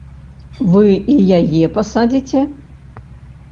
Вы і яе пасадзіце?